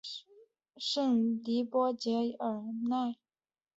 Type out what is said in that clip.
圣波迪韦尔奈。